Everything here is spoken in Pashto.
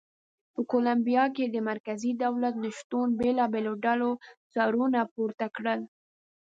په کولمبیا کې د مرکزي دولت نه شتون بېلابېلو ډلو سرونه پورته کړل.